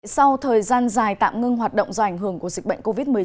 sau thời gian dài tạm ngưng hoạt động do ảnh hưởng của dịch bệnh covid một mươi chín